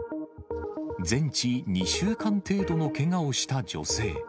全治２週間程度のけがをした女性。